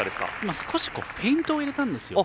少しフェイントを入れたんですよ。